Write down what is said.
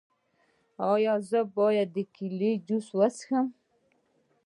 ایا زه باید د کیلي جوس وڅښم؟